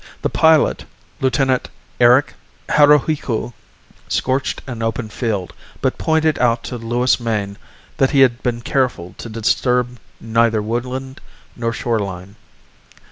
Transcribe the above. The pilot, Lieutenant Eric Haruhiku, scorched an open field, but pointed out to Louis Mayne that he had been careful to disturb neither woodland nor shoreline.